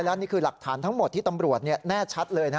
และนี่คือหลักฐานทั้งหมดที่ตำรวจแน่ชัดเลย